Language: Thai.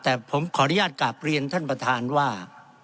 แต่ผมขออนุญาตกลับเรียนท่านประธานว่า